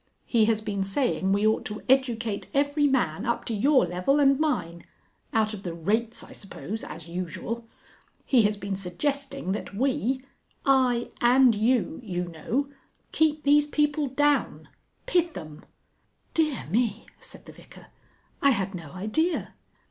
He has been saying we ought to educate every man up to your level and mine out of the rates, I suppose, as usual. He has been suggesting that we I and you, you know keep these people down pith 'em." "Dear me!" said the Vicar, "I had no idea."